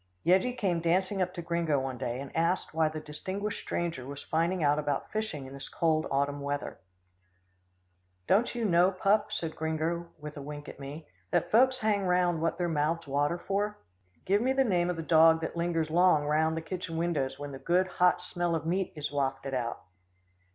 Yeggie came dancing up to Gringo one day and asked why the distinguished stranger was finding out about fishing in this cold autumn weather. "Don't you know, pup?" said Gringo with a wink at me, "that folks hang round what their mouths water for? Give me the name of the dog that lingers long round the kitchen windows, when the good, hot smell of meat is wafted out."